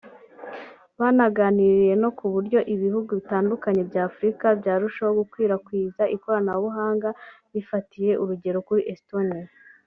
banaganiye no ku buryo ibihugu bitandukanye bya Afurika byarushaho gukwirakwiza ikoranabuhanga bifatiye urugero kuri Estonia